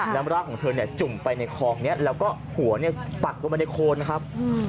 แล้วร่างของเธอจุ่มไปในคลองเนี่ยแล้วก็หัวเนี่ยปักลงมาในโคนครับ